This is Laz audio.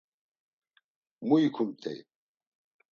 Mu ikumt̆ey?